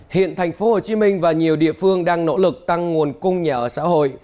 hiện thành phố hồ chí minh và nhiều địa phương đang nỗ lực tăng nguồn cung nhà ở xã hội